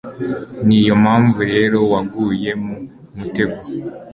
ni yo mpamvu rero waguye mu mutego